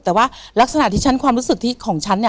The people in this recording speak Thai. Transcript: แต่ว่ารักษณะที่ฉันความรู้สึกที่ของฉันเนี่ย